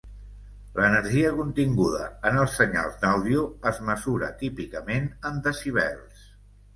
L'energia continguda en els senyals d'àudio es mesura típicament en decibels.